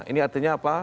ini artinya apa